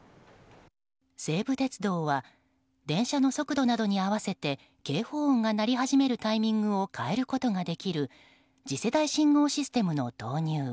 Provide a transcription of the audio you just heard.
西武鉄道は電車の速度などに合わせて警報音が鳴り始めるタイミングを変えることができる次世代信号システムの導入。